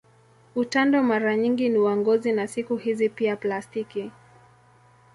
Utando mara nyingi ni wa ngozi na siku hizi pia plastiki.